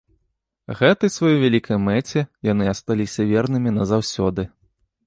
Гэтай сваёй вялікай мэце яны асталіся вернымі назаўсёды.